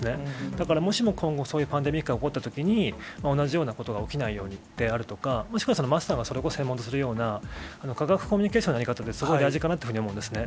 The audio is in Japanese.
だからもしも今後、そういうパンデミックが起こったときに、同じようなことが起きないようにであるとか、もしくは桝さんがそれこそ専門とするような、科学コミュニケーションのある方って、すごく大事かなって思うんですね。